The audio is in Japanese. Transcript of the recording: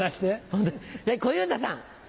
はい小遊三さん。